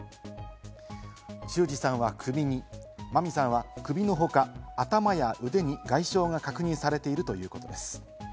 修二さんは首に、真美さんは首のほか頭や腕に外傷が確認されているということです。